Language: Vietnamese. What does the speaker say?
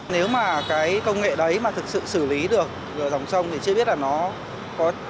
nếu mà cái công nghệ đấy mà thực sự xử lý được dòng sông thì chưa biết là nó có